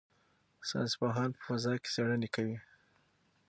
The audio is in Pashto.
ساینس پوهان په فضا کې څېړنې کوي.